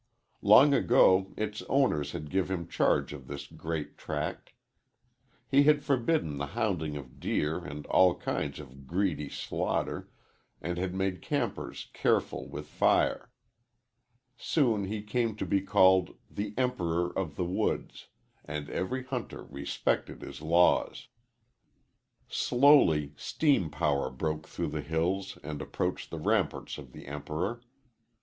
Long ago its owners had given him charge of this great tract. He had forbidden the hounding of deer and all kinds of greedy slaughter, and had made campers careful with fire. Soon he came to be called "The Emperor of the Woods," and every hunter respected his laws. Slowly steam power broke through the hills and approached the ramparts of the Emperor.